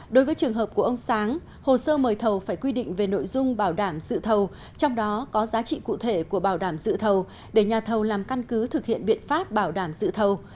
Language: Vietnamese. đối với trường hợp của ông sáng hồ sơ mời thầu phải quy định về nội dung bảo đảm sự thầu trong đó có giá trị cụ thể của bảo đảm dự thầu để nhà thầu làm căn cứ thực hiện biện pháp bảo đảm dự thầu